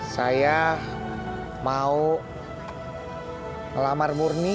saya mau melamar murni